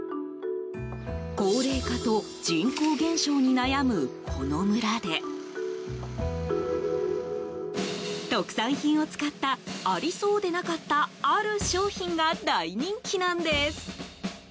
高齢化と人口減少に悩むこの村で特産品を使ったありそうでなかったある商品が大人気なんです。